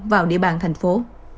vào địa bàn thành phố